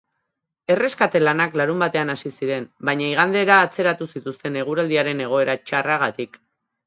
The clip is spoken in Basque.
Erreskate lanak larunbatean hasi ziren, baina igandera atzeratu zituzten eguraldiaren egoera txarragatik.